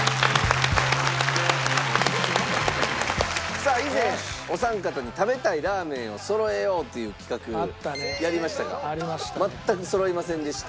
さあ以前お三方に食べたいラーメンをそろえようという企画やりましたが全くそろいませんでした。